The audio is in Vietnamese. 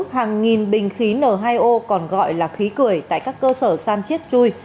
hàng nghìn bình khí n hai o còn gọi là khí cười tại các cơ sở san chiết chui